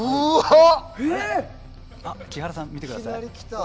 木原さん、見てください。